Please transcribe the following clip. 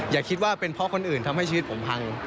อย่าคิดว่าเป็นเพราะคนอื่นทำให้ชีวิตผมพัง